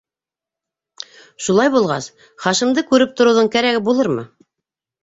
Шулай булғас, Хашимды күреп тороуҙың кәрәге булырмы?